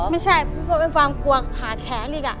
ไม่ใช่เพราะเป็นความกลัวขาดแขนอีก